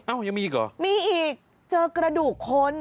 ยังมีอีกเหรอมีอีกเจอกระดูกคน